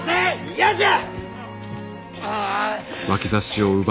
嫌じゃ！